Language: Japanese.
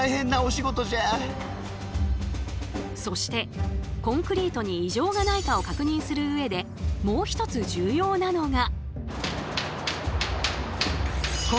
そしてコンクリートに異常がないかを確認する上でもう一つ重要なのが。